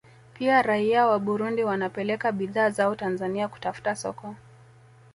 Pia raia wa Burundi wanapeleka bidhaa zao Tanzania kutafuta soko